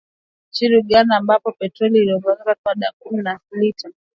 Nchini Uganda ambapo bei ya petroli imeongezeka kufikia dola kumi na nne kwa lita,